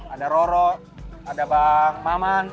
ada roro ada bang maman